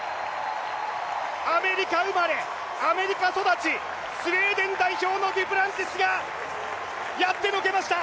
アメリカ生まれ、アメリカ育ち、スウェーデン代表のデュプランティスがやってのけました！